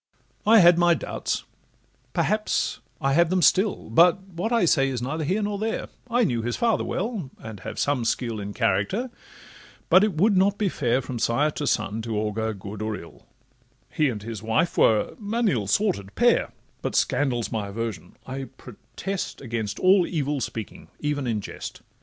I had my doubts, perhaps I have them still, But what I say is neither here nor there: I knew his father well, and have some skill In character—but it would not be fair From sire to son to augur good or ill: He and his wife were an ill sorted pair— But scandal 's my aversion—I protest Against all evil speaking, even in jest.